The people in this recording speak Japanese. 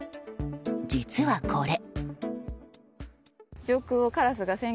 実はこれ。